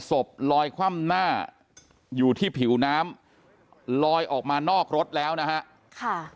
ศพลอยคว่ำหน้าอยู่ที่ผิวน้ำลอยออกมานอกรถแล้วนะฮะค่ะ